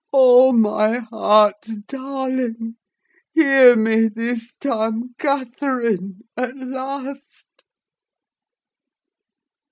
Oh! my heart's darling! hear me this time, Catherine, at last!"